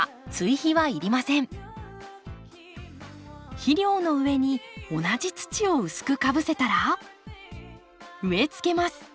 肥料の上に同じ土を薄くかぶせたら植えつけます。